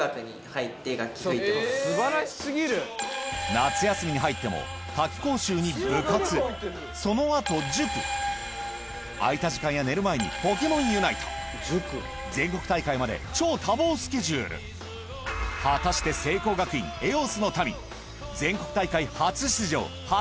夏休みに入っても夏季講習に部活その後塾空いた時間や寝る前に『ポケモンユナイト』全国大会まで超多忙スケジュール果たして聖光学院オ！